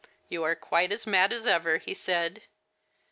"You are quite as mad as ever," he said.